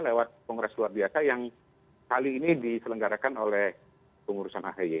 lewat kongres luar biasa yang kali ini diselenggarakan oleh pengurusan ahy